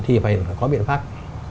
thì phải có biện pháp